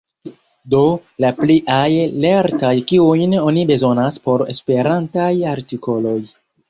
Do, la pliaj lertaj kiujn oni bezonas por esperantaj artikoloj.